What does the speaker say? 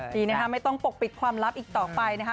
ดีนะคะไม่ต้องปกปิดความลับอีกต่อไปนะคะ